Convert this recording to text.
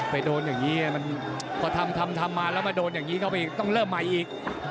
ไปโดนอย่างนี้มันพอทำมาแล้วมาโดนอย่างนี้เข้าไปอีกต้องเริ่มใหม่อีก